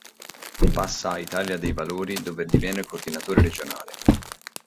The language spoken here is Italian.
Passa a "Italia Dei Valori", dove diviene coordinatore regionale.